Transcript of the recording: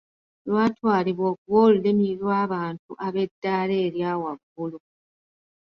Lwatwalibwa okuba olulimi lw’abantu eb’eddaala erya waggulu.